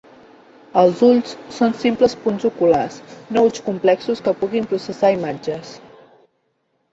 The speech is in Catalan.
Els ulls són simples punts oculars, no ulls complexos que puguin processar imatges.